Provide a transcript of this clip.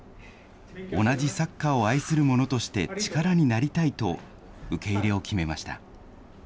同じサッカーを愛するものとして、力になりたいと受け入れを決めました。